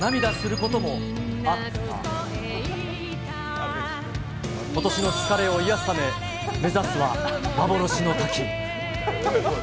ことしの疲れを癒やすため、目指すは幻の滝。